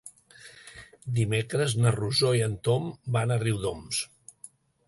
Dimecres na Rosó i en Tom van a Riudoms.